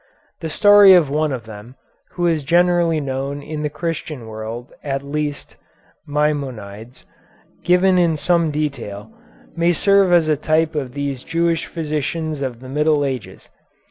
The story of one of them, who is generally known in the Christian world at least, Maimonides, given in some detail, may serve as a type of these Jewish physicians of the Middle Ages.